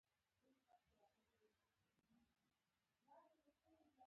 د اشتراکي ژوند له منځه تلل پیل شول.